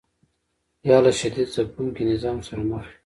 یا له شدید ځپونکي نظام سره مخ یو.